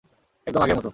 একদম আগের মতো!